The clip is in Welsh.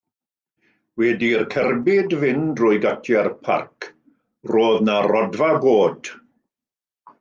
Wedi i'r cerbyd fynd drwy gatiau'r parc roedd yna rodfa goed.